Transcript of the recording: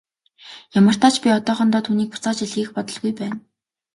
Ямартаа ч би одоохондоо түүнийг буцааж илгээх бодолгүй байна.